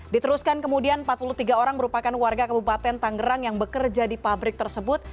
diteruskan kemudian empat puluh tiga orang merupakan warga kabupaten tangerang yang bekerja di pabrik tersebut